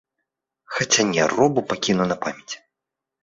Хаця не, робу пакіну на памяць.